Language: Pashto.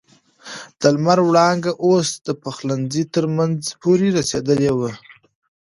د لمر وړانګې اوس د پخلنځي تر منځه پورې رسېدلې وې.